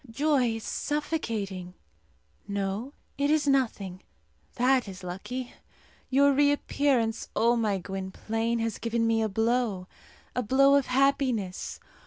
Joy is suffocating. No, it is nothing! That is lucky. Your reappearance, O my Gwynplaine, has given me a blow a blow of happiness.